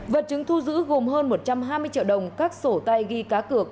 vật chứng thu giữ gồm hơn một trăm hai mươi triệu đồng các sổ tay ghi cá cược